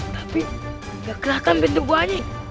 tapi gak keliatan pintu gua ini